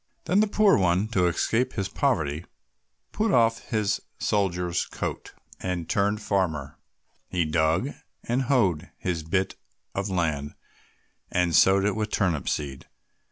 Then the poor one, to escape from his poverty, put off his soldier's coat, and turned farmer. He dug and hoed his bit of land, and sowed it with turnip seed.